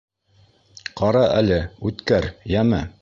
Ҡара әле, үткәр, йәме!